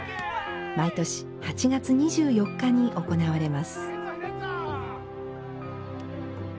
毎年８月２４日に行われます。